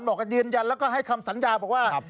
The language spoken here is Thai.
ยืนยันแล้วก็ให้คำสัญญาบอกว่า